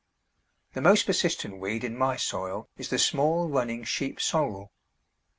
The most persistent weed in my soil is the small running Sheep's Sorrel.